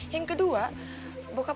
yang kedua bokap gue pasti minat